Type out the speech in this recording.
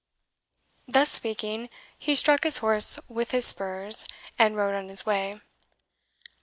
Thus speaking, he struck his horse with the spurs, and rode on his way.